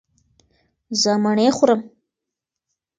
زه مڼې خورم